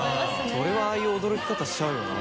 これはああいう驚き方しちゃうよな。